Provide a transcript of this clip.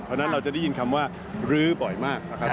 เพราะฉะนั้นเราจะได้ยินคำว่ารื้อบ่อยมากนะครับ